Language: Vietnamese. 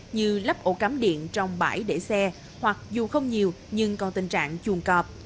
như lắp ổ cắm điện trong bãi để xe hoặc dù không nhiều nhưng còn tình trạng chuồn cọp